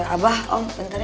abah om bentar ya